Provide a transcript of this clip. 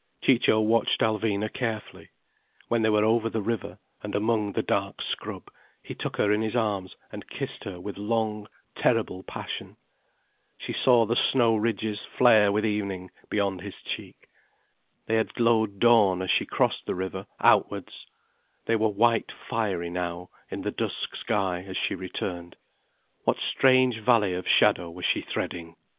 Ciccio watched Alvina carefully. When they were over the river, and among the dark scrub, he took her in his arms and kissed her with long, terrible passion. She saw the snow ridges flare with evening, beyond his cheek. They had glowed dawn as she crossed the river outwards, they were white fiery now in the dusk sky as she returned. What strange valley of shadow was she threading?